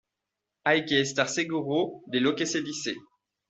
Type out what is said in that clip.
hay que estar seguro de lo que se dice